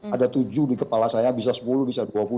ada tujuh di kepala saya bisa sepuluh bisa dua puluh